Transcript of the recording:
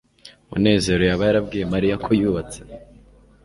munezero yaba yarabwiye mariya ko yubatse